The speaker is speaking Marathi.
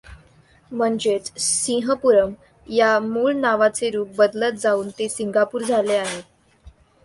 म्हणजेच सिंहपुरम या मूळ नावाचे रूप बदलत जाऊन ते सिंगापूर झाले आहे.